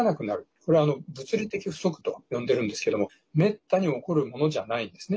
これは物理的不足と呼んでるんですけどもめったに起こるものじゃないんですね。